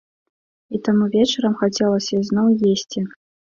І таму вечарам хацелася ізноў есці.